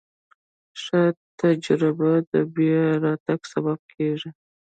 ښه تجربه د بیا راتګ سبب کېږي.